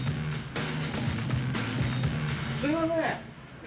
すいません！